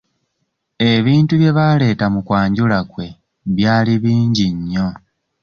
Ebintu bye baaleeta mu kwanjula kwe byali bingi nnyo.